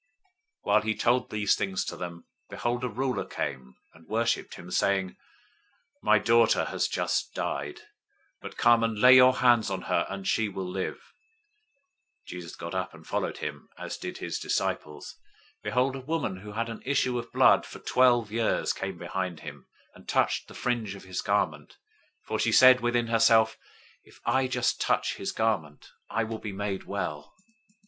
009:018 While he told these things to them, behold, a ruler came and worshiped him, saying, "My daughter has just died, but come and lay your hand on her, and she will live." 009:019 Jesus got up and followed him, as did his disciples. 009:020 Behold, a woman who had an issue of blood for twelve years came behind him, and touched the fringe{or, tassel} of his garment; 009:021 for she said within herself, "If I just touch his garment, I will be made well."